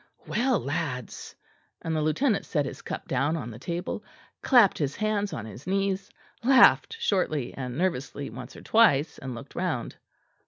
"Well, lads " and the lieutenant set his cup down on the table, clapped his hands on his knees, laughed shortly and nervously once or twice, and looked round.